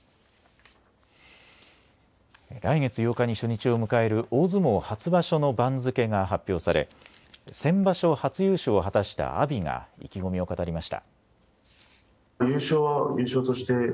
来月８日に初日を迎える大相撲初場所の番付が発表され、先場所、初優勝を果たした阿炎が意気込みを語りました。